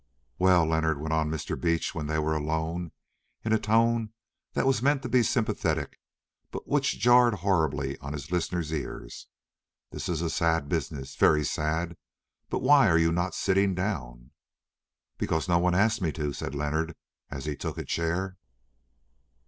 "Well, Leonard," went on Mr. Beach when they were alone, in a tone that was meant to be sympathetic but which jarred horribly on his listener's ears, "this is a sad business, very sad. But why are you not sitting down?" "Because no one asked me to," said Leonard as he took a chair.